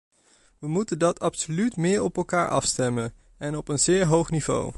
We moeten dat absoluut meer op elkaar afstemmen en op een zeer hoog niveau.